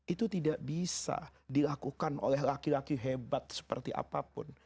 itu tidak bisa dilakukan oleh laki laki hebat seperti apapun